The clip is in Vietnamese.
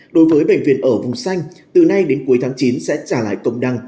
đối với bệnh viện ở vùng xanh từ nay đến cuối tháng chín sẽ trả lại công năng